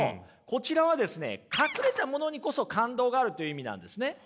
こちらはですね隠れたものにこそ感動があるという意味なんですね。